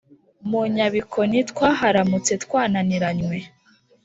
mu nyabikoni twaharamutse twananiranywe.